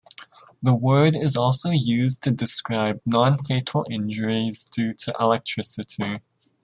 The word is also used to describe non-fatal injuries due to electricity.